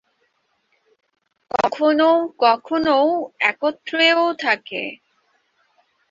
কখনও কখনও একত্রেও থাকে।